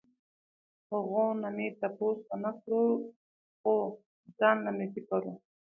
هغو نه مو تپوس ونکړو خو ځانله مې فکر کوو